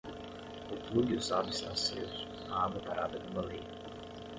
O plugue usado está aceso, a água parada cambaleia.